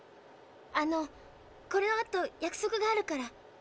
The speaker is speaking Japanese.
あのこのあと約束があるから。